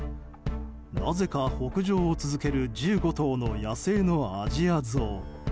なぜか北上を続ける１５頭の野生のアジアゾウ。